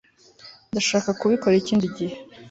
ndashaka kubikora ikindi gihe